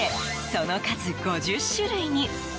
その数、５０種類に。